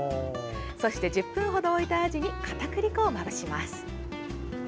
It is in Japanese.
そして、１０分程置いたアジにかたくり粉をまぶします。